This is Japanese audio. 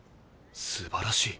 すばらしい。